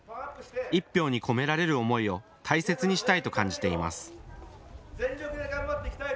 一票に込められる思いを大切にしたいと感じています。